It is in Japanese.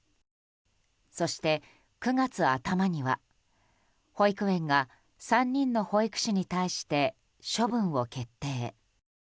そして９月頭には保育園が、３人の保育士に対して処分を決定。